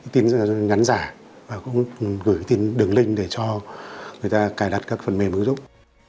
tin nhắn giả và cũng gửi tin đường link để cho người ta cài đặt các phần mềm ứng dụng